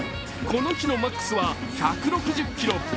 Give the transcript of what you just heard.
この日のマックスは１６０キロ。